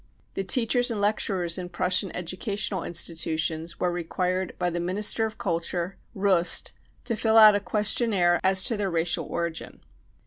The teachers and lecturers in Prussian educational institutions were required by the Minister of Culture, Rust, to fill out a questionnaire as to their racial origin.